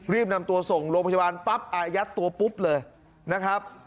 รีบนำตัวส่งโรงพยาบาลปั๊บอายัดตัวปุ๊บเลยนะครับ